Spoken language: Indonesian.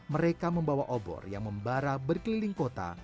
mereka membawa obor yang membara berkeliling kota